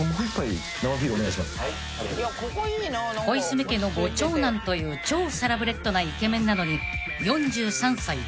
［小泉家のご長男という超サラブレッドなイケメンなのに４３歳。